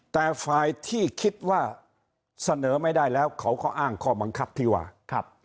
แต่ฝ่ายที่คิดว่าเสนอไม่ได้แล้วเขาก็อ้างข้อบังคับที่ว่าครับ